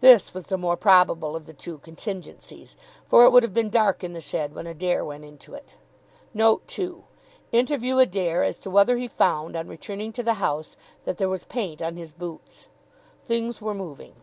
This was the more probable of the two contingencies, for it would have been dark in the shed when Adair went into it. Note two Interview Adair as to whether he found, on returning to the house, that there was paint on his boots. Things were moving.